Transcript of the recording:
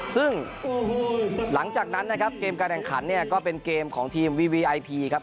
ซึ่งหลังจากนั้นนะครับเกมการแข่งขันเนี่ยก็เป็นเกมของทีมวีวีไอพีครับ